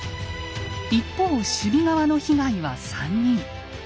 一方守備側の被害は３人。